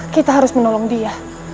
kita harus menolong dia